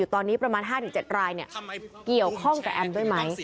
ตอนนี้ประมาณ๕๗รายเกี่ยวข้องกับแอมด้วยไหม